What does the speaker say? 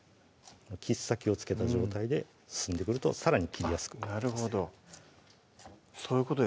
切っ先を付けた状態で進んでくるとさらに切りやすくなりますね